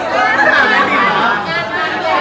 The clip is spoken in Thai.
ก็คือเจ้าเม่าคืนนี้